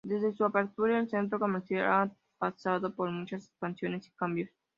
Desde su apertura, el centro comercial ha pasado por muchas expansiones y cambios.